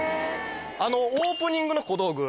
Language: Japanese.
あのオープニングの小道具